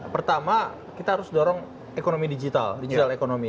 pertama kita harus dorong ekonomi digital digital economy